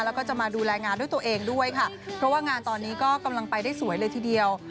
แล้วก็จะมาดูแลงานด้วยตัวเองด้วยค่ะเพราะว่างานตอนนี้ก็กำลังไปได้สวยเลยทีเดียว